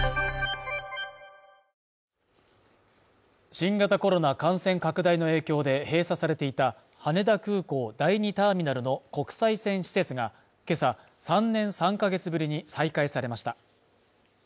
新型コロナ感染拡大の影響で閉鎖されていた羽田空港第２ターミナルの国際線施設が今朝、３年３か月ぶりに再開されました。